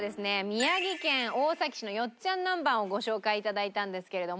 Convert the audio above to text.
宮城県大崎市のよっちゃんなんばんをご紹介頂いたんですけれども。